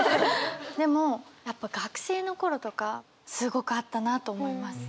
でもやっぱ学生の頃とかすごくあったなと思います。